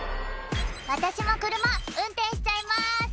「私も車運転しちゃいます」